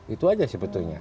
itu aja sebetulnya